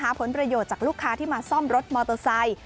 ผลประโยชน์จากลูกค้าที่มาซ่อมรถมอเตอร์ไซค์